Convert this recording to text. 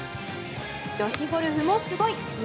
女子ゴルフもすごい。